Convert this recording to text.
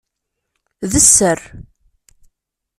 D sser.